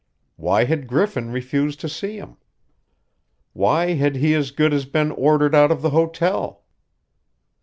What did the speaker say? Why had Griffin refused to see him? Why had he as good as been ordered out of the hotel?